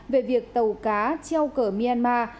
về việc tàu cá treo cờ myanmar